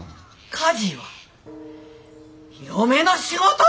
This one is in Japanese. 家事は嫁の仕事！